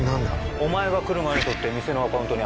お前が来る前に撮って店のアカウントに上げたやつ。